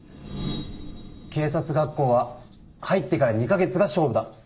「警察学校は入ってから２カ月が勝負だ」